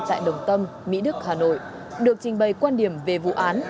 tại đồng tâm mỹ đức hà nội được trình bày quan điểm về vụ án